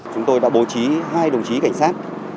chúng tôi đã bố trí hai đồng chí cảnh sát